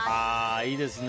いいですね。